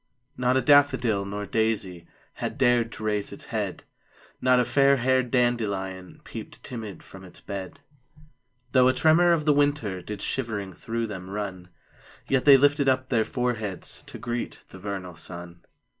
Not a daffodil nor daisy Had dared to raise its head; Not a fairhaired dandelion Peeped timid from its bed; THE CROCUSES. 5 Though a tremor of the winter Did shivering through them run; Yet they lifted up their foreheads To greet the vernal sun.